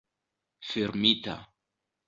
fermita